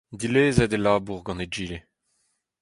Dilezet e labour gant egile.